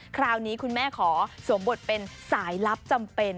คราวนี้คุณแม่ขอสวมบทเป็นสายลับจำเป็น